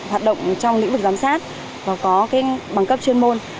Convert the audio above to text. hoạt động trong lĩnh vực giám sát và có bằng cấp chuyên môn